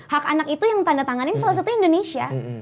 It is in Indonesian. hak anak itu yang ditandatangani salah satu indonesia